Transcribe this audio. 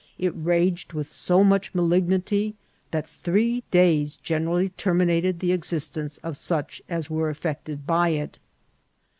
It raged with so much malignity that three days generally terminated the existence of such as were aflFected by it.''